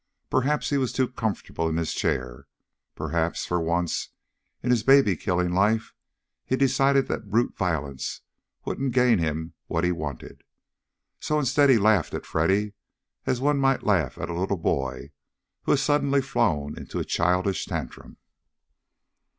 Perhaps he was too comfortable in his chair. Perhaps for once in his baby killing life he decided that brute violence wouldn't gain him what he wanted. So instead he laughed at Freddy as one might laugh at a little boy who has suddenly flown into a childish tantrum.